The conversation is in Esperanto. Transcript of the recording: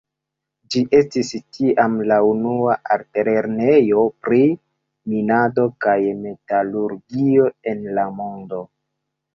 Ĝi estis tiam la unua altlernejo pri minado kaj metalurgio en la mondo.